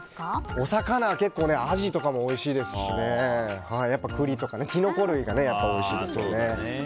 お魚はアジとかもおいしいですし栗とかキノコ類もおいしいですよね。